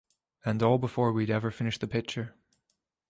And all before we'd ever finished the picture.